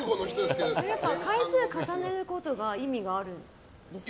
回数重ねることが意味があるんですか？